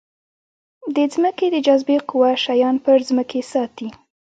د ځمکې د جاذبې قوه شیان پر ځمکې ساتي.